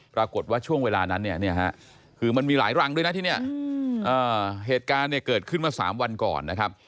ปรากฏว่าช่วงเวลานั้นเนี่ยฮะคือมันมีหลายรังด้วยนะที่เนี่ยเหตุการณ์เนี่ยเกิดขึ้นมา๓วันก่อนนะครับ